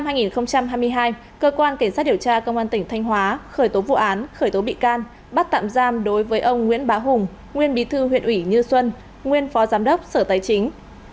năm hai nghìn hai mươi hai cơ quan cảnh sát điều tra công an tỉnh thanh hóa khởi tố vụ án khởi tố bị can bắt tạm giam đối với ông nguyễn bá hùng nguyên bí thư huyện ủy như xuân nguyên phó giám đốc sở tài chính